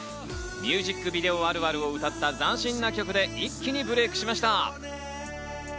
ミュージックビデオあるあるを歌った斬新な曲で一気にブレークしました。